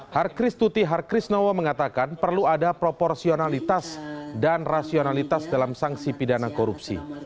harkris tuti harkrisnowo mengatakan perlu ada proporsionalitas dan rasionalitas dalam sanksi pidana korupsi